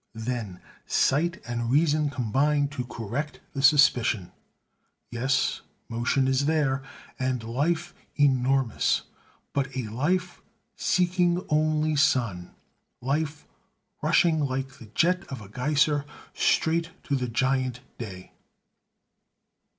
Then sight and reason combine to correct the suspicion. Yes, motion is there, and life enormous but a life seeking only sun, life, rushing like the jet of a geyser, straight to the giant day.